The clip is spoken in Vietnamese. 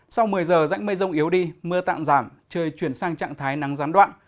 sau một mươi giờ rãnh mây rông yếu đi mưa tạm giảm trời chuyển sang trạng thái nắng gián đoạn